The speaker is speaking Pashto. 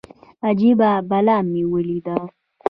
اجبه بلا مې وليده.